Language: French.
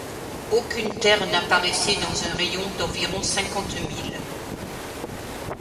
Aucune terre n’apparaissait dans un rayon d’environ cinquante milles.